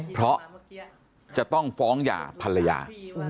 เพราะจะต้องฟ้องหย่าภรรยา